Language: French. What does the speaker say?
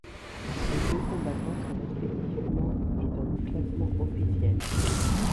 Les deux combattants sont respectivement et dans le classement officiel.